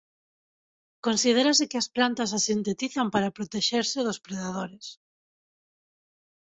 Considérase que as plantas a sintetizan para protexerse dos predadores.